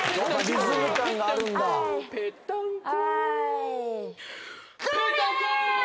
ぺったんこ。